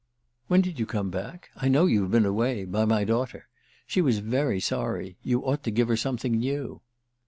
"When did you come back? I know you've been away—by my daughter. She was very sorry. You ought to give her something new."